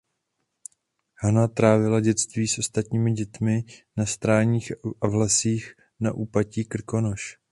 Hana trávila dětství s ostatními dětmi na stráních a v lesích na úpatí Krkonoš.